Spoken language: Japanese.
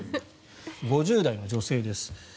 ５０代の女性です。